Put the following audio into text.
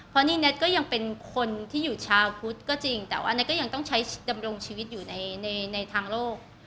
เพราะนี่แน็ตก็ยังเป็นคนที่อยู่ชาวพุทธก็จริงแต่ว่าแท็กก็ยังต้องใช้ดำรงชีวิตอยู่ในทางโลก